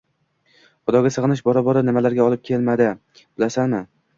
Xudoga sig‘inish bora-bora nimalarga olib keladi, bilasanmi?